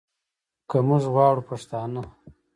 که موږ غواړو پښتانه